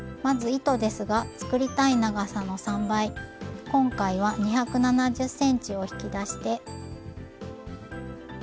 まず糸ですが作りたい長さの３倍今回は２７０ｃｍを引き出して。